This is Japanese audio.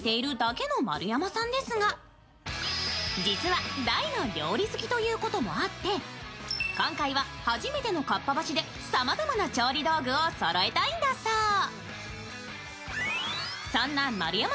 実は大の料理好きということもあって今回は初めてのかっぱ橋でさまざまな調理道具をそろえたいんだそう。